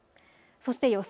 そして予想